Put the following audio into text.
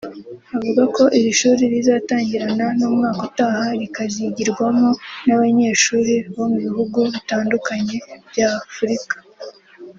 Avuga ko iri shuri rizatangirana n’umwaka utaha rikazigirwamo n’abanyeshuri bo mu bihugu bitandukanye bya Afurika